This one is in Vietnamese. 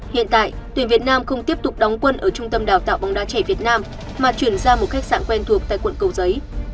hiện tại tuyển việt nam không tiếp tục đóng quân ở trung tâm đào tạo bóng đá trẻ việt nam mà chuyển ra một khách sạn quen thuộc tại quận cầu giấy